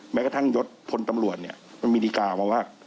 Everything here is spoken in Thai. แม้กระทั่งยศพลตำรวจเนี่ยมันมีดีการ์มาว่า